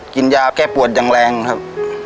กินยาแก้ปวดอย่างแรงครับ